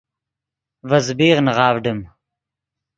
ڤے زبیغ نغاڤڈیم